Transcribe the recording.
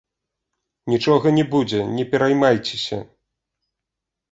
Нічога не будзе, не пераймайцеся.